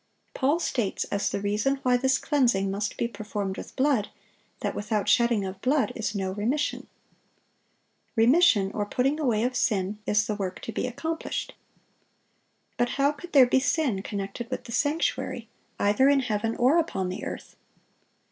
Paul states, as the reason why this cleansing must be performed with blood, that without shedding of blood is no remission. Remission, or putting away of sin, is the work to be accomplished. But how could there be sin connected with the sanctuary, either in heaven or upon the earth?